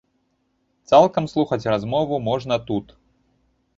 Цалкам слухаць размову можна тут.